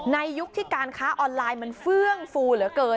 ยุคที่การค้าออนไลน์มันเฟื่องฟูเหลือเกิน